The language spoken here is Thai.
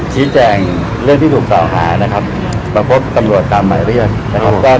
ชี้แจงเรื่องที่ถูกกล่าวหานะครับมาพบตำรวจตามหมายเรียกนะครับ